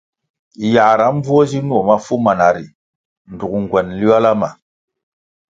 Yãhra mbvuo zi nuo mafu mana ri ndtug nguen nliola ma.